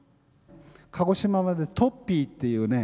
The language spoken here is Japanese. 鹿児島まで「トッピー」っていうね